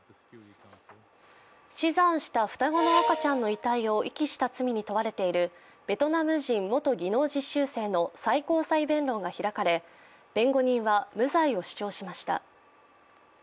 死産した双子の赤ちゃんの遺体を遺棄した罪に問われているベトナム人元技能実習生の最高裁弁論が開かれ弁護人は無罪を主張しました。